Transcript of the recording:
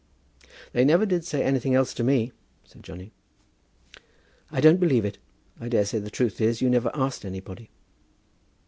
'" "They never did say anything else to me," said Johnny. "I don't believe it. I daresay the truth is, you never asked anybody."